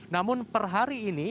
namun per hari ini